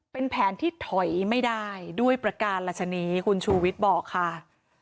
เป็นแผนที่ถอยไม่ได้ด้วยประการรัชนีคุณชูวิทย์บอกค่ะ